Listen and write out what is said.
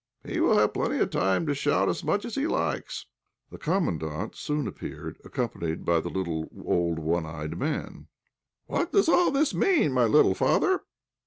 He will have plenty of time to shout as much as he likes." The Commandant soon appeared, accompanied by the little old one eyed man. "What does all this mean, my little father?"